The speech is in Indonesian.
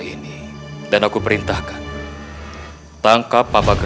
jangan sampai kita menangkap mereka